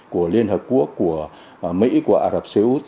của liên hợp quốc của mỹ của ả rập xê út